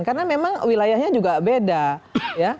karena memang wilayahnya juga beda